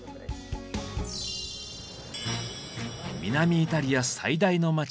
南イタリア最大の街